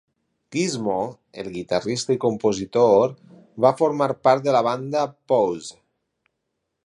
Guizmo, el guitarrista i compositor, va formar part de la banda Pause.